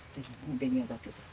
ベニヤだけで。